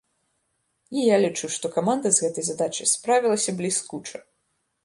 І я лічу, што каманда з гэтай задачай справілася бліскуча!